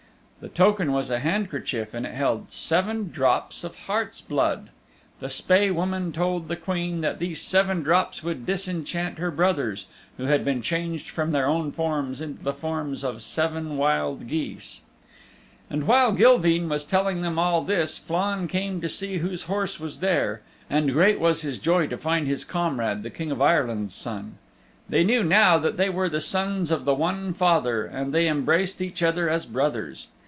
The token was a handkerchief and it held seven drops of heart's blood. The Spae Woman told the Queen that these seven drops would disenchant her brothers who had been changed from their own forms into the forms of seven wild geese. And while Gilveen was telling them all this Flann came to see whose horse was there, and great was his joy to find his comrade the King of Ireland's Son. They knew now that they were the sons of the one father, and they embraced each other as brothers.